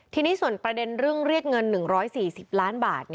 ทีนี้ส่วนประเด็นเรื่องเรียกเงิน๑๔๐ล้านบาท